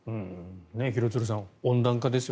廣津留さん、温暖化ですよ。